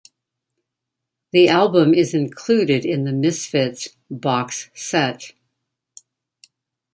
The album is included in The Misfits' "Box Set".